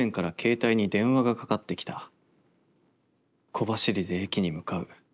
「小走りで駅に向かう。